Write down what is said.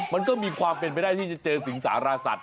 มันก็มีความเป็นไปได้ที่จะเจอสิงสารสัตว